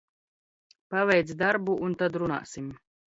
Paveic darbu un tad runāsim!